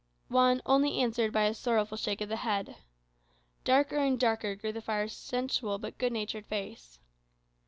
Juan only answered by a sorrowful shake of the head. Darker and darker grew the friar's sensual but good natured face.